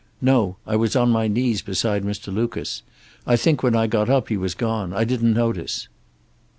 "No. I was on my knees beside Mr. Lucas. I think when I got up he was gone. I didn't notice."